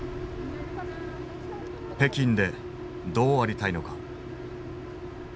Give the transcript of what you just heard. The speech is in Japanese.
北京でどうありたいのか。